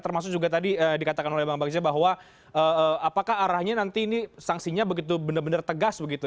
termasuk juga tadi dikatakan oleh bang bagja bahwa apakah arahnya nanti ini sanksinya begitu benar benar tegas begitu